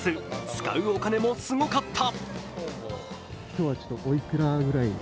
使うお金もすごかった。